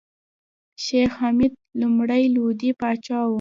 شېخ حمید لومړی لودي پاچا وو.